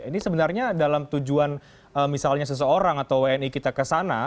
ini sebenarnya dalam tujuan misalnya seseorang atau wni kita ke sana